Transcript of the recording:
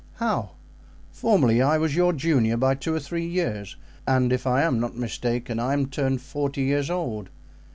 "How?" "Formerly I was your junior by two or three years, and if I am not mistaken I am turned forty years old."